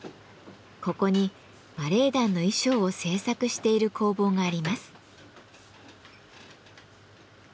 ここにバレエ団の衣装を製作している工房があります。